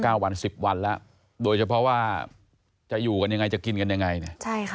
วันสิบวันแล้วโดยเฉพาะว่าจะอยู่กันยังไงจะกินกันยังไงเนี่ยใช่ค่ะ